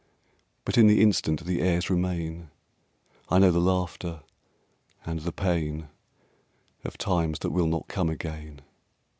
But in the instant the airs remain I know the laughter and the pain Of times that will not come again.